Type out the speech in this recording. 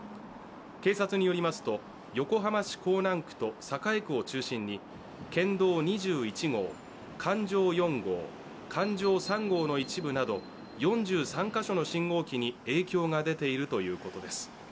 警察によりますと横浜市港南区と栄区を中心に県道２１号、環状４号、環状３号の一部など４３か所の信号機に影響が出ているということです。